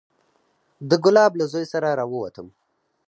د ګلاب له زوى سره راووتم.